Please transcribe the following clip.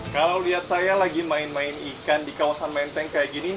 kalau lihat saya lagi main main ikan di kawasan menteng kayak gini